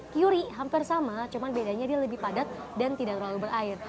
curi hampir sama cuman bedanya dia lebih padat dan tidak terlalu berair